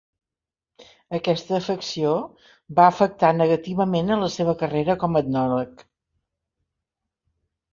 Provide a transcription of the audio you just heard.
Aquesta afecció va afectar negativament a la seva carrera com etnòleg.